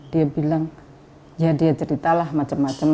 dia bilang ya dia ceritalah macam macam